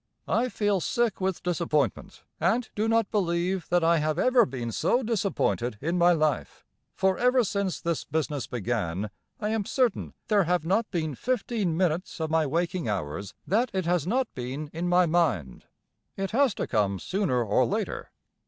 I feel sick with disappointment, and do not believe that I have ever been so disappointed in my life, for ever since this business began I am certain there have not been fifteen minutes of my waking hours that it has not been in my mind. It has to come sooner or later.